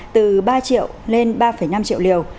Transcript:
từ ba triệu lên ba năm triệu liều